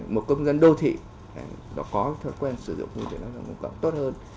một công dân đô thị có thói quen sử dụng phương tiện công cộng tốt hơn